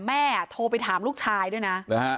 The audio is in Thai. แม่โทรไปถามลูกชายด้วยนะ